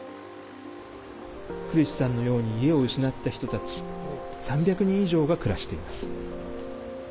クリシュさんのように家を失った人たち３００人以上が暮らしています。